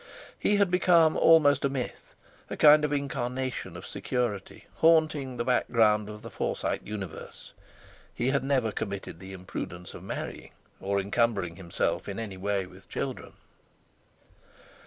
He had become almost a myth—a kind of incarnation of security haunting the background of the Forsyte universe. He had never committed the imprudence of marrying, or encumbering himself in any way with children.